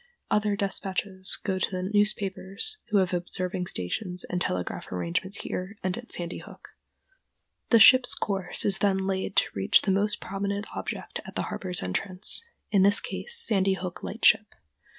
[Other despatches go to the newspapers, who have observing stations and telegraph arrangements here and at Sandy Hook.] [Illustration: DAY MARKS IN NEW YORK HARBOR.] The ship's course is then laid to reach the most prominent object at the harbor entrance, in this case Sandy Hook Lightship.